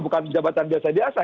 bukan jabatan biasa biasa